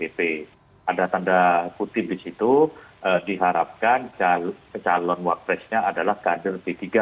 jadi ada tanda putih di situ diharapkan calon wakil presidennya adalah kader